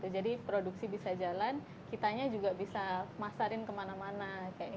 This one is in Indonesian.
jadi produksi bisa jalan kitanya juga bisa masarin kemana mana